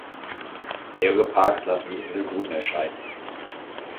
Mehrere Parks lassen die Insel grün erscheinen.